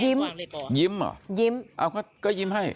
ยิ้มยิ้มเหรอยิ้มเอาก็ยิ้มให้